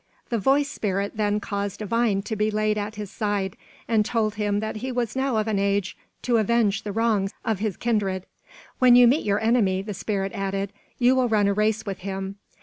The voice spirit then caused a vine to be laid at his side, and told him that he was now of an age to avenge the wrongs of his kindred. "When you meet your enemy," the spirit added, "you will run a race with him.